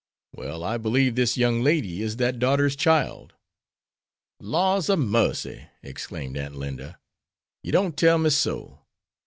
Well, I believe this young lady is that daughter's child." "Laws a marcy!" exclaimed Aunt Linda, "yer don't tell me so!